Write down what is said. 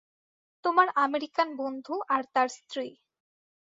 তোমার আমেরিকান বন্ধু আর তার স্ত্রী।